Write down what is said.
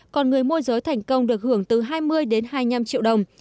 còn người môi giới thành công được hưởng từ hai mươi đến hai mươi năm triệu đồng